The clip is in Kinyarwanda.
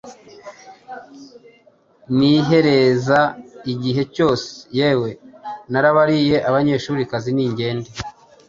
nihereza igihe cyose! Yewe, narabariye abanyeshurikazi ningende!